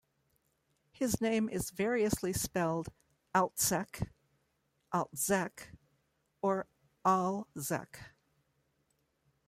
His name is variously spelled Altsek, Altzek, or Alzec.